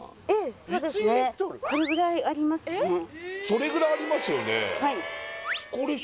それぐらいありますよね